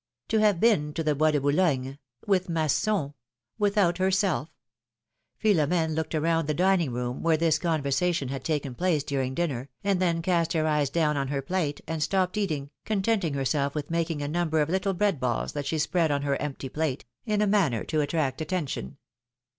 To have been to the Bois de Boulogne! With Masson ! AVithout herself! Philom^ne looked round the dining room, where this conversation had taken place during dinner, and then cast her eyes down on her plate, and stopped eating, contenting herself with making a number of little bread balls, that she spread on her empty plate, in a manner to attract attention.